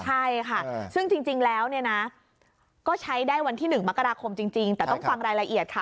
ใช่ค่ะซึ่งจริงแล้วเนี่ยนะก็ใช้ได้วันที่๑มกราคมจริงแต่ต้องฟังรายละเอียดค่ะ